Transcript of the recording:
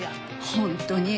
本当に。